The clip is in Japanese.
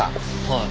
はい。